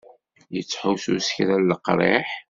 Yettḥussu s kra n leqriḥ?